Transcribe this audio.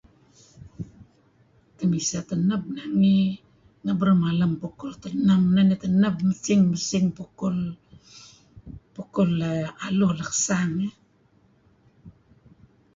Temisah teneb ngi nangey. Ngi berumalem teneb mesing-mesing pukul aluh lekesang eh.